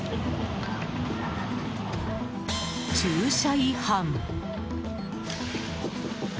駐車違反。